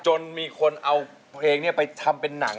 จนมีคนเอาเพลงนี้ไปทำเป็นหนัง